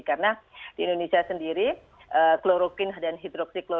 karena di indonesia sendiri kloroquine dan hidroksikloroquine